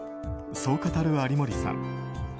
そう語る有森さん。